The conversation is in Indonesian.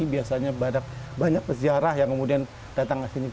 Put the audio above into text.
biasanya banyak peziarah yang kemudian datang ke sini